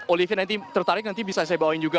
olivie nanti tertarik nanti bisa saya bawain juga